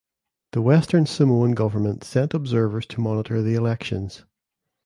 The Western Samoan government sent observers to monitor the elections.